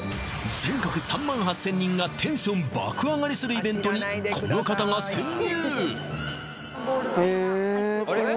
全国３万８０００人がテンション爆上がりするイベントにこの方が潜入！